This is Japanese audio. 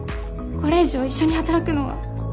もうこれ以上一緒に働くのは